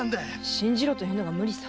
信じろというのが無理さ。